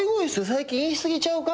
最近言いすぎちゃうか？」